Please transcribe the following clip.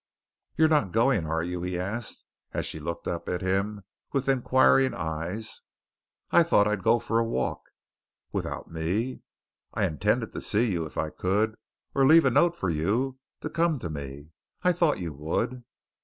"You're not going, are you?" he asked, as she looked up at him with inquiring eyes. "I thought I'd go for a walk." "Without me?" "I intended to see you, if I could, or leave a note for you to come to me. I thought you would."